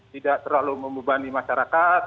tidak terlalu membebani masyarakat